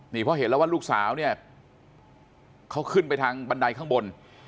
นี่เพราะเห็นแล้วว่าลูกสาวเนี่ยเขาขึ้นไปทางบันไดข้างบน